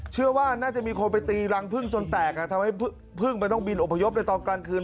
เชื่อว่าน่าจะมีคนไปตีรังพึ่งจนแตกทำให้พึ่งมันต้องบินอพยพในตอนกลางคืน